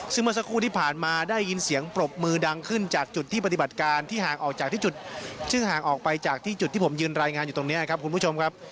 ซึ่งเมื่อสักครู่ที่ผ่านมาได้ยินเสียงปรบมือดังขึ้นจากจุดที่ปฏิบัติการที่ห่างออกจากที่จุดซึ่งห่างออกไปจากที่จุดที่ผมยืนรายงานอยู่ตรงนี้ครับคุณผู้ชมครับ